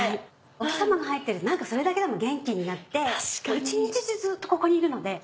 お日さまが入ってると何かそれだけでも元気になって一日中ずっとここにいるので。